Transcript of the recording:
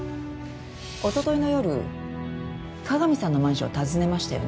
おとといの夜加賀見さんのマンションを訪ねましたよね？